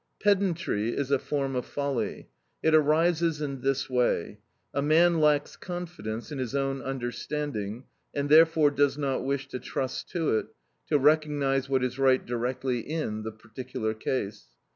Pedantry is a form of folly. It arises in this way: a man lacks confidence in his own understanding, and, therefore, does not wish to trust to it, to recognise what is right directly in the particular case.